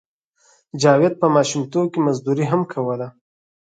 جاوید په ماشومتوب کې مزدوري هم کوله